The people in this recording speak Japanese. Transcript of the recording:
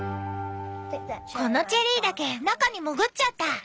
このチェリーだけ中に潜っちゃった。